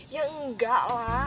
ya enggak lah